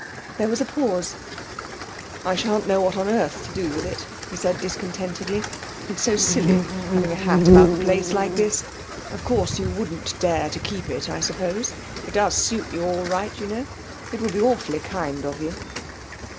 There was a pause. 'I sha'n't know what on earth to do with it,' he said discontentedly. 'It's so silly having a hat about in a place like this. Of course you wouldn't dare to keep it, I suppose? It does suit you all right, you know; it would be awfully kind of you.'